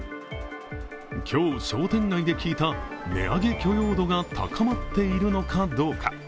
今日、商店街で聞いた値上げ許容度が高まっているのかどうか。